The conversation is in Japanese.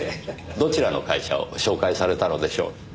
どちらの会社を紹介されたのでしょう？